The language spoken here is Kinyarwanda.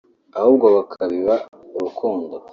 ahubwo bakabiba urukundo